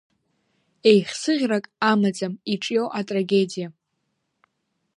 Еихсыӷьрак амаӡам иҿио атрагедиа.